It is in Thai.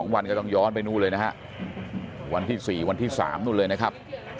วันก็ต้องย้อนไปนู่นเลยนะฮะวันที่๔วันที่๓นู่นเลยนะครับ